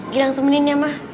gilang temenin ya ma